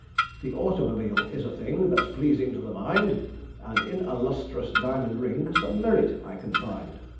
The automobile is a thing That's pleasing to the mind; And in a lustrous diamond ring Some merit I can find.